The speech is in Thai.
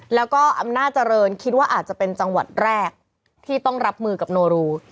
แล้วก็อำนาจเจริญคิดว่าอาจจะเป็นจังหวัดแรกที่ต้องรับมือกับโนรู